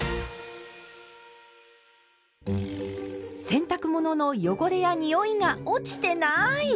洗濯物の汚れやにおいが落ちてない！